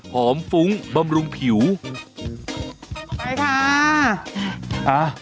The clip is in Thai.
ไปค่ะ